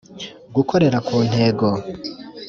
Gukorera ku ntego